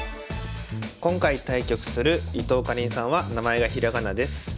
今回対局する伊藤かりんさんは名前がひらがなです。